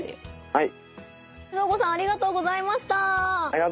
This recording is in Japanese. はい。